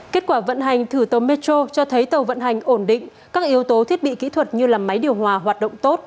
kết quả vận hành thử tàu metro cho thấy tàu vận hành ổn định các yếu tố thiết bị kỹ thuật như máy điều hòa hoạt động tốt